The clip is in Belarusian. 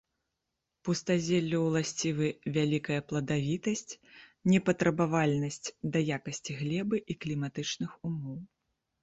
Пустазеллю ўласцівы вялікая пладавітасць, непатрабавальнасць да якасці глебы і кліматычных умоў.